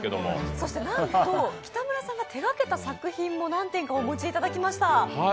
そしてなんと北村さんが手がけた作品も何点かお持ちいただきました。